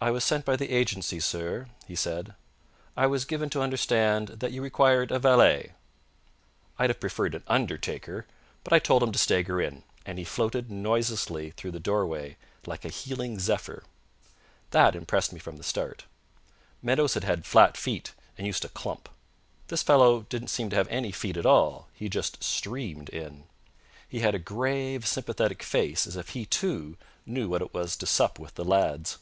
"I was sent by the agency, sir," he said. "I was given to understand that you required a valet." I'd have preferred an undertaker; but I told him to stagger in, and he floated noiselessly through the doorway like a healing zephyr. That impressed me from the start. Meadowes had had flat feet and used to clump. This fellow didn't seem to have any feet at all. He just streamed in. He had a grave, sympathetic face, as if he, too, knew what it was to sup with the lads.